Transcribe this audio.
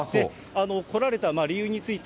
来られた理由について、